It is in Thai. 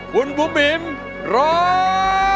คุณบุ๋มบิ๋มร้อง